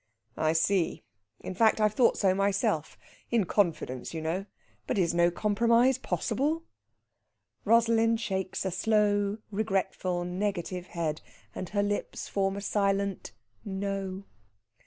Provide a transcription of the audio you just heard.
"I see in fact, I've thought so myself. In confidence, you know. But is no compromise possible?" Rosalind shakes a slow, regretful, negative head, and her lips form a silent "No!"